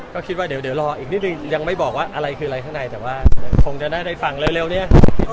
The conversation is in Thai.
ก็คิดว่าเดี๋ยวรออีกนิดนึงยังไม่บอกว่าอะไรคืออะไรข้างในแต่ว่าคงจะได้ได้ฟังเร็วเนี่ย